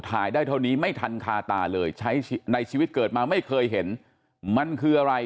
ได้เท่านี้ไม่ทันคาตาเลยใช้ในชีวิตเกิดมาไม่เคยเห็นมันคืออะไร